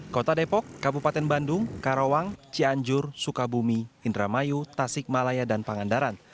kota depok kabupaten bandung karawang cianjur sukabumi indramayu tasik malaya dan pangandaran